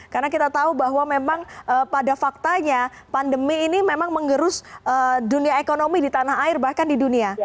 karena kita tahu bahwa memang pada faktanya pandemi ini memang mengerus dunia ekonomi di tanah air bahkan di dunia